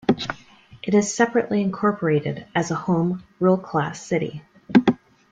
It is separately incorporated as a home rule-class city.